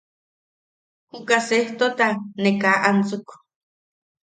Juka sejtota ne kaa ansuk.